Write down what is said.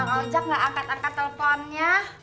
bang ojek gak angkat angkat telfonnya